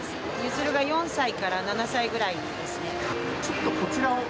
結弦が４歳から７歳ぐらいですね」